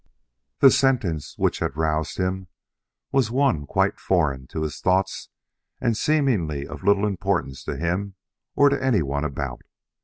The sentence which had roused him was one quite foreign to his thoughts and seemingly of little importance to him or to anyone about.